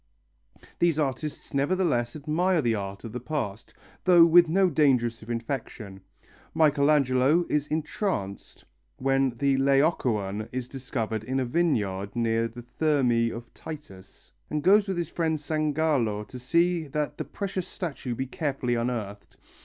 These artists nevertheless admire the art of the past, though with no danger of infection. Michelangelo is entranced when the Laocoön is discovered in a vineyard near the Thermæ of Titus, and goes with his friend Sangallo to see that the precious statue be carefully unearthed.